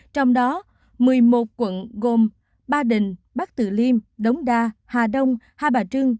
trong đó một mươi một quận gồm ba đình bắc tử liêm đống đa hà đông hai bà trưng